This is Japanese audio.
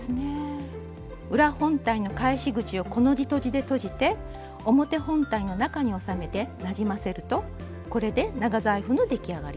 裏本体の返し口をコの字とじでとじて表本体の中に収めてなじませるとこれで長財布の出来上がりです。